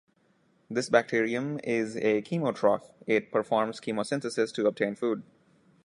This bacterium is a chemotroph-it performs chemosynthesis to obtain food.